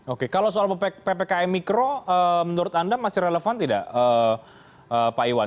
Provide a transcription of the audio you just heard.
oke kalau soal ppkm mikro menurut anda masih relevan tidak pak iwan